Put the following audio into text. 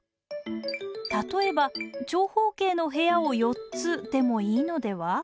例えば長方形の部屋を４つでもいいのでは？